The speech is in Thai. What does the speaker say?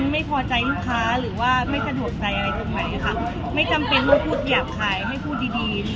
มายุคคาหรือว่าไม่ที่จะห่วงใจอะไรอยู่ไหมค่ะไม่จำเป็นพูดหยาบคายให้ผู้ดีดี